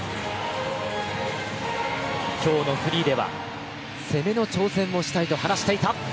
今日のフリーでは攻めの挑戦をしたいと話していた。